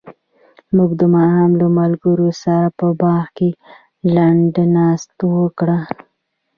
موږ ماښام له ملګرو سره په باغ کې لنډه ناسته وکړه.